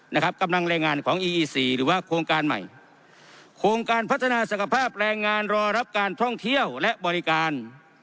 นะครับกำลังแรงงานของอีอีสี่หรือว่าโครงการใหม่โครงการพัฒนาศักภาพแรงงานรอรับการท่องเที่ยวและบริการ